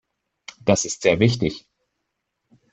Das ist sehr wichtig.